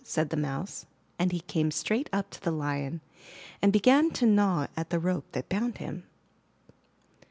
said the Mouse, and he came straight up to the Lion and began to gnaw at the rope that bound him.